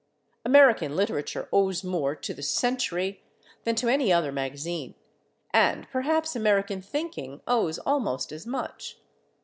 American literature owes more to the Century than to any other magazine, and perhaps American thinking owes almost as much.